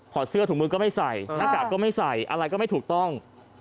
เสื้อถุงมือก็ไม่ใส่หน้ากากก็ไม่ใส่อะไรก็ไม่ถูกต้อง